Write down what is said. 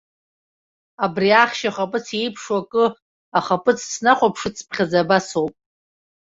Абри ахьшь ахаԥыц еиԥшу акы ахаԥыц снахәаԥшцыԥхьаӡа абасоуп.